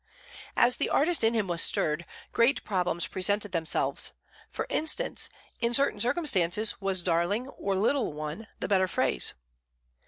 As the artist in him was stirred, great problems presented themselves; for instance, in certain circumstances was "darling" or "little one" the better phrase?